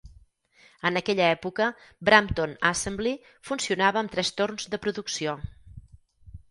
En aquella època, Brampton Assembly funcionava amb tres torns de producció.